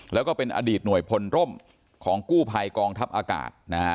แล้วก็เป็นอดีตหน่วยพลร่มของกู้ภัยกองทัพอากาศนะฮะ